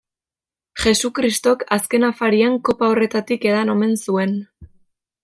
Jesukristok azken afarian kopa horretatik edan omen zuen.